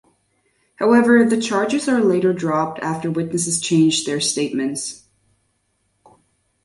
However the charges are later dropped after witnesses changed their statements.